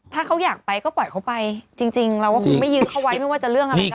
ถ้าเขาอยากไปก็ปล่อยเขาไปจริงเราก็คงไม่ยื้อเขาไว้ไม่ว่าจะเรื่องอะไรก็